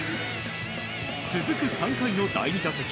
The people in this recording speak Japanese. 続く３回の第２打席。